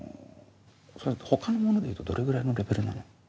それ他のものでいうとどれぐらいのレベルなの？